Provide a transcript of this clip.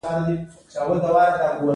پانګوال ترڅو ګټه ونه ویني کار نه کوي